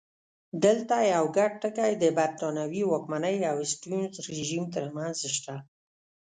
دلته یو ګډ ټکی د برېټانوي واکمنۍ او سټیونز رژیم ترمنځ شته.